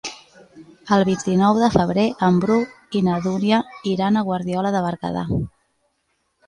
El vint-i-nou de febrer en Bru i na Dúnia iran a Guardiola de Berguedà.